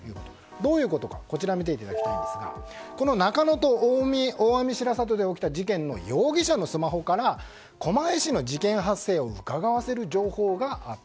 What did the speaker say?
どういうことかというと中野と大網白里で起きた事件の容疑者のスマホから狛江市の事件発生をうかがわせる情報があった。